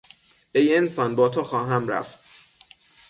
ای انسان با تو خواهم رفت.